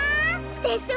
でしょ！